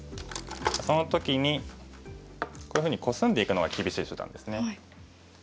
その時にこういうふうにコスんでいくのが厳しい手段ですね。